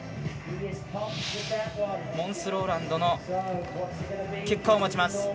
モンス・ローランドの結果を待ちます。